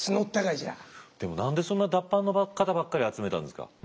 でも何でそんな脱藩の方ばっかり集めたんですか？